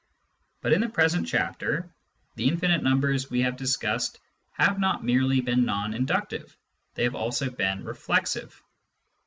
But in the present chapter, the infinite num bers we have discussed have not merely been non inductive : they have also been reflexive.